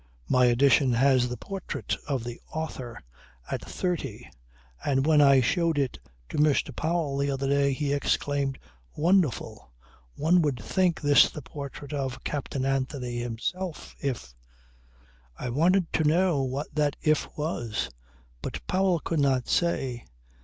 My edition has the portrait of the author at thirty, and when I showed it to Mr. Powell the other day he exclaimed: "Wonderful! One would think this the portrait of Captain Anthony himself if ..." I wanted to know what that if was. But Powell could not say.